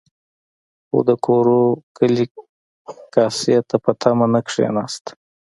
خو د کورو کلي کاسې ته په تمه نه کېناست.